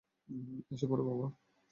এসে পড়, বাবা।